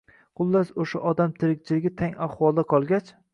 Xullas o’sha odam tirikchiligi tang ahvolda qolgach